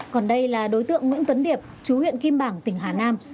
còn đây là đối tượng nguyễn tuấn điệp chú huyện kim bảng tỉnh hà nam